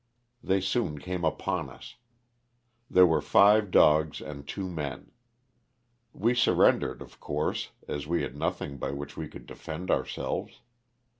They soon came upon us. There were five dogs and two men. We surrendered, of course, as we had nothing by which we could defend ourselves.